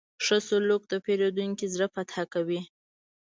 ښه سلوک د پیرودونکي زړه فتح کوي.